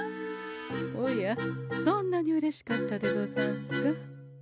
おやそんなにうれしかったでござんすか？